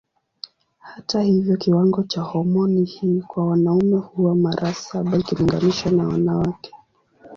Hata hivyo kiwango cha homoni hii kwa wanaume huwa mara saba ikilinganishwa na wanawake.